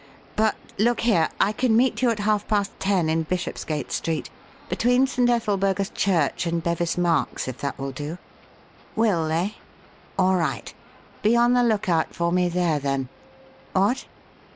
But look here! I can meet you at half past ten in Bishopsgate Street, between St. Ethelburga's Church and Bevis Narks, if that will do. Will, eh? All right. Be on the lookout for me there, then. What?